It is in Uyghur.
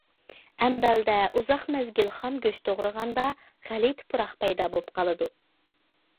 ئەمبەلدە ئۇزاق مەزگىل خام گۆش توغرىغاندا غەلىتە پۇراق پەيدا بولۇپ قالىدۇ.